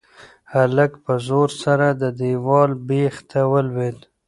هلک په زور سره د دېوال بېخ ته ولوېد.